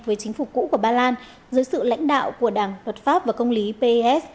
với chính phủ cũ của ba lan dưới sự lãnh đạo của đảng luật pháp và công lý pes